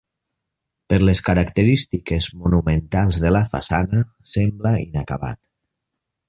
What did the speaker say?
Per les característiques monumentals de la façana sembla inacabat.